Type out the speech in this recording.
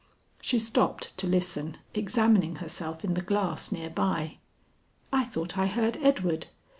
She stopped to listen, examining herself in the glass near by. "I thought I heard Edward.